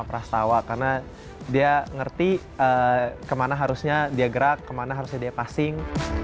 prastawa karena dia ngerti kemana harusnya dia gerak kemana harusnya dia passing